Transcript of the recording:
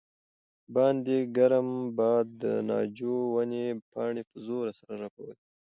باندې ګرم باد د ناجو ونې پاڼې په زور سره رپولې.